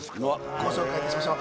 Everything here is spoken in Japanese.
ご紹介いたしましょう。